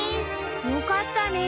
よかったね